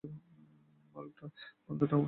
Malda town railway station